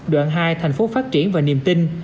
đoạn hai thành phố phát triển và niềm tin